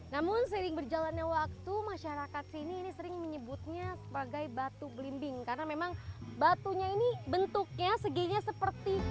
namun seiring berjalannya waktu masyarakat sini ini sering menyebutnya sebagai batu belimbing karena memang batunya ini bentuknya seginya seperti